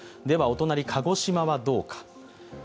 では、お隣・鹿児島はどうか。